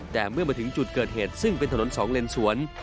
แต่เมื่อมาถึงจุดเกิดเหตุซึ่งเป็นถนนสองเลนสวน